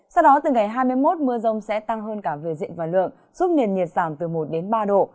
sau đó từ ngày hai mươi một mưa rông sẽ tăng hơn cả về diện và lượng giúp nền nhiệt giảm từ một đến ba độ